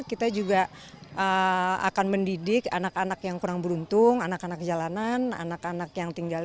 kita juga akan mendidik anak anak yang kurang beruntung anak anak jalanan anak anak yang tinggal